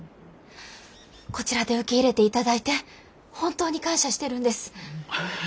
こちらで受け入れていただいて本当に感謝してるんです。